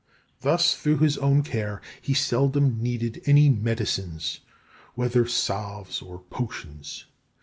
Thus, through his own care, he seldom needed any medicines, whether salves or potions.